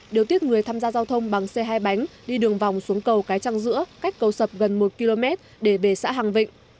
điều tiết người tham gia giao thông bằng xe hai bánh đi đường vòng xuống cầu cái trăng giữa cách cầu sập gần một km để về xã hàng vịnh